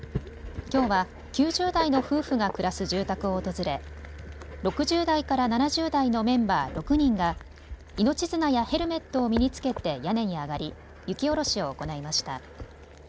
きょうは９０代の夫婦が暮らす住宅を訪れ６０代から７０代のメンバー６人が命綱やヘルメットを身に着けて屋根に上がり雪下ろしを行いました。